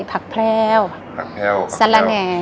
พรักแพลวสะระแน